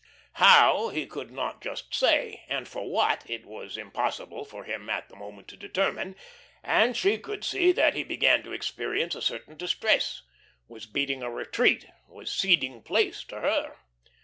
How, he could not just say; and for what it was impossible for him at the moment to determine; and she could see that he began to experience a certain distress, was beating a retreat, was ceding place to her.